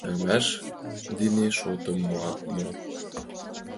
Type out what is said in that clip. Ӱдырамаш дене шотым муат мо?!